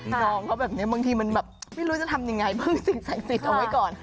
น้องเขาแบบนี้บางทีมันแบบไม่รู้จะทำยังไงพึ่งสิ่งศักดิ์สิทธิ์เอาไว้ก่อน